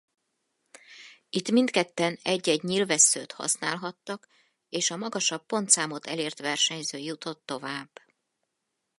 Itt mindketten egy-egy nyílvesszőt használhattak és a magasabb pontszámot elért versenyző jutott tovább.